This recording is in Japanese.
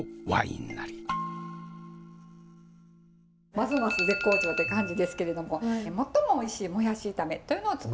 ますます絶好調って感じですけれども最もおいしいもやし炒めというのを作っていきたいと思います。